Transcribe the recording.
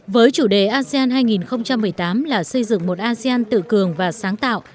với chủ đề asean hai nghìn một mươi tám là xây dựng một asean tự cường và sáng tạo